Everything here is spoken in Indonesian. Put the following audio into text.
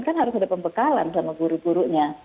kan harus ada pembekalan sama guru gurunya